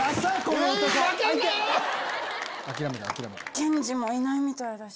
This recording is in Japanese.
健司もいないみたいだし。